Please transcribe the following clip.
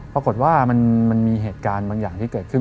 ปรากฏว่ามันมีเหตุการณ์บางอย่างที่เกิดขึ้น